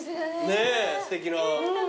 ねえすてきな。